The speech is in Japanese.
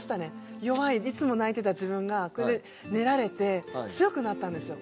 弱いいつも泣いてた自分が練られて強くなったんですよ